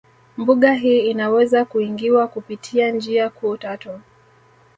Mbuga hii inaweza kuingiwa kupitia njia kuu tatu